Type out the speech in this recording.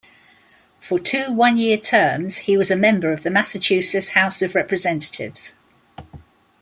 For two one-year terms he was a member of the Massachusetts House of Representatives.